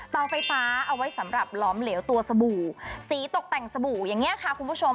ไฟฟ้าเอาไว้สำหรับล้อมเหลวตัวสบู่สีตกแต่งสบู่อย่างนี้ค่ะคุณผู้ชม